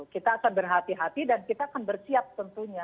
kita akan berhati hati dan kita akan bersiap tentunya